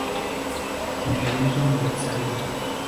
En el evento Aniversario!